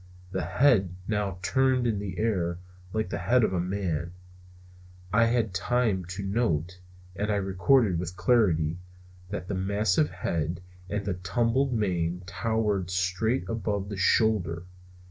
The head now turned in the air, like the head of a man. I had time to note, and I record it with certainty, that the massive head and the tumbled mane towered straight above the shoulder.